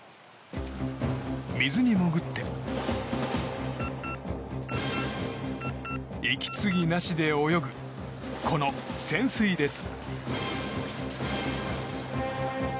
水に潜って、息継ぎなしで泳ぐこの潜水です。